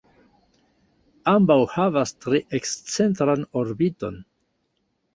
Ambaŭ havas tre ekscentran orbiton.